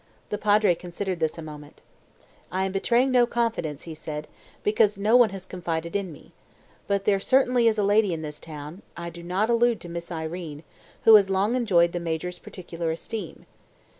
The Padre considered this a moment. "I am betraying no confidence," he said, "because no one has confided in me. But there certainly is a lady in this town I do not allude to Miss Irene who has long enjoyed the Major's particular esteem.